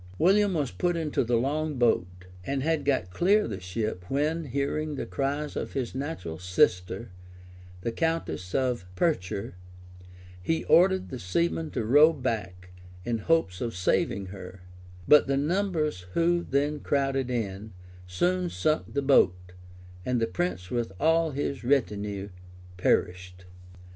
William was put into the long boat, and had got clear of the ship, when, hearing the cries of his natural sister, the countess of Perche, he ordered the seamen to row back, in hopes of saving her: but the numbers who then crowded in, soon sunk the boat; and the prince with all his retinue perished.